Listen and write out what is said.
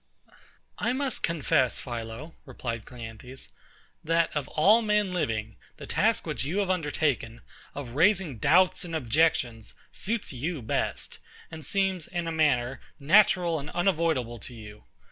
I must confess, PHILO, replied CLEANTHES, that of all men living, the task which you have undertaken, of raising doubts and objections, suits you best, and seems, in a manner, natural and unavoidable to you.